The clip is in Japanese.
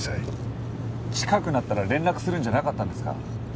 近くなったら連絡するんじゃなかったんですか？